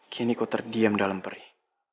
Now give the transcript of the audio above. kini kau terdiam dalam perih